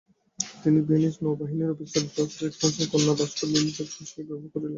তিনি ডেনিশ নৌবাহিনীর officer George জ্যাকবসনের কন্যা ভাস্কর লিলি জ্যাকবসনকে বিবাহ করেন।